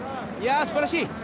いや、素晴らしい！